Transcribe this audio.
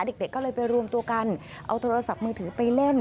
เด็กก็เลยไปรวมตัวกันเอาโทรศัพท์มือถือไปเล่น